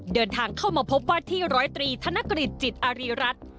เดินทางเข้ามาพบว่าที่๑๐๓ธนกฤตจิตอริรัติ